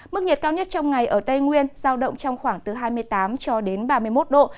mức nhiệt cao nhất trong ngày ở tây nguyên giao động trong khoảng từ hai mươi tám cho đến ba mươi một độ